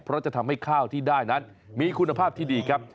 เพราะจะทำให้ข้าวที่ได้นั้นมีคุณภาพที่ดีครับ